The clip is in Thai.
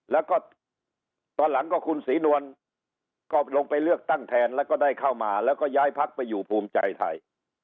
แล้วก็ตอนหลังก็คุณศรีนวลก็ลงไปเลือกตั้งแทนแล้วก็ได้เข้ามาแล้วก็ย้ายพักไปอยู่ภูมิใจไทย